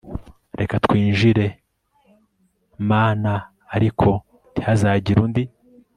reka twinjire mn ariko ntihazagire undi